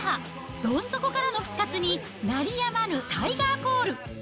どん底からの復活に、鳴りやまぬタイガーコール。